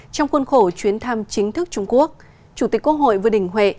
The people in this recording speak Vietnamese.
trong khuôn khổ chuyến thăm chính thức trung quốc chủ tịch quốc hội vương đình huệ